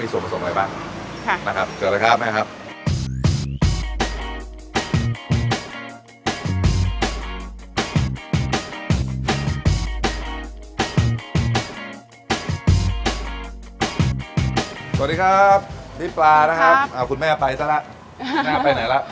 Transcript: สวัสดีครับพี่ปลานะครับครับอ่าคุณแม่ไปซะละไปไหนล่ะ